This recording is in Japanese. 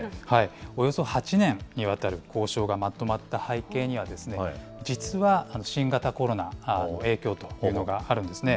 およそ８年にわたる交渉がまとまった背景には、実は、新型コロナの影響というのがあるんですね。